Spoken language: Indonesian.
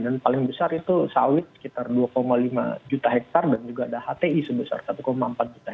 dan paling besar itu sawit sekitar dua lima juta hektar dan juga ada hti sebesar satu empat juta hektar